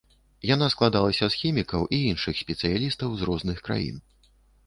Яна складалася з хімікаў і іншых спецыялістаў з розных краін.